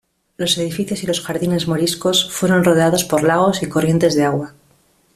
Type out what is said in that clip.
Los edificios y los jardines moriscos fueron rodeados por lagos y corrientes de agua.